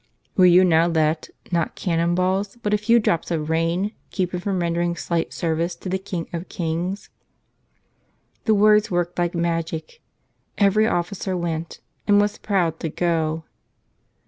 Will you now let, not can¬ non balls, but a few drops of rain keep you from ren¬ dering slight service to the King of Kings?'' The words worked like magic. Every officer went — and was proud to go.